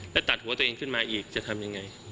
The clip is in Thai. และตัดหัวตัวเองขึ้นมาอีกจะทำยังไง